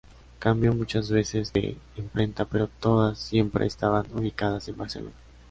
Cambió muchas veces de imprenta pero todas siempre estaban ubicadas en Barcelona.